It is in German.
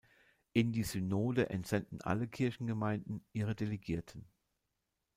In die Synode entsenden alle Kirchengemeinden ihre Delegierten.